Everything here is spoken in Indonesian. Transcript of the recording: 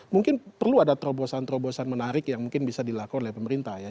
mungkin perlu ada terobosan terobosan menarik yang mungkin bisa dilakukan oleh pemerintah ya